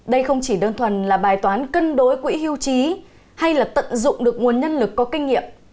đây không chỉ đơn thuần là bài toán cân đối quỹ hưu trí hay là tận dụng được nguồn nhân lực có kinh nghiệm